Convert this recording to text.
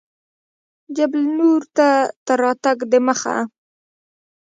جبل النور ته تر راتګ دمخه.